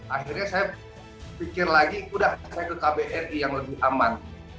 akhirnya saya pikir lagi udah saya ke kbri yang lebih aman